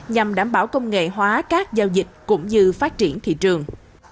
nhằm đảm bảo công nghệ hóa các giao dịch cũng như phát triển thị trường